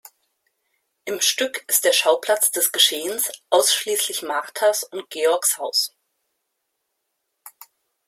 Im Stück ist der Schauplatz des Geschehens ausschließlich Marthas und Georges Haus.